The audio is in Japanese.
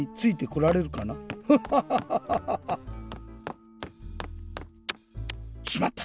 フハハハ。しまった。